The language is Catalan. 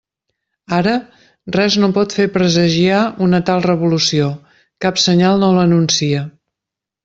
Ara, res no pot fer presagiar una tal revolució, cap senyal no l'anuncia.